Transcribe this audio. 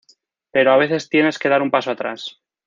Pero a veces tienes que dar un paso atrás.